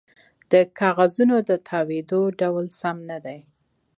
د کاغذونو د تاویدو ډول سم نه دی